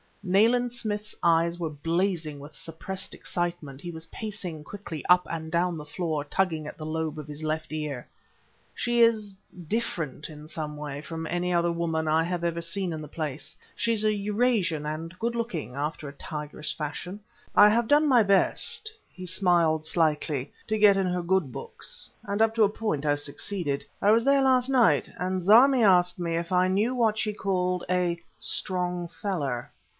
Nayland Smith's eyes were blazing with suppressed excitement; he was pacing quickly up and down the floor, tugging at the lobe of his left ear. "She is different in some way from any other woman I have ever seen in the place. She's a Eurasian and good looking, after a tigerish fashion. I have done my best" he smiled slightly "to get in her good books, and up to a point I've succeeded. I was there last night, and Zarmi asked me if I knew what she called a 'strong feller.'